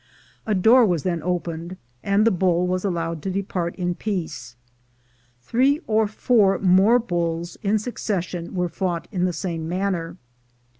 A door was then opened, and the bull was allowed to depart in peace. Three or four more bulls in succession were fought in the same manner.